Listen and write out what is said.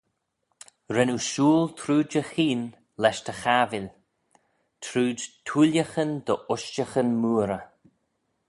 Ren oo shooyl trooid y cheayn lesh dty chabbil, trooid thooillaghyn dy ushtaghyn mooarey.